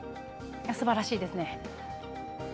すばらしいですね。